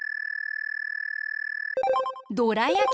どらやき！